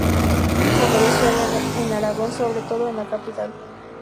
Desarrolló su tarea en Aragón, sobre todo en la capital.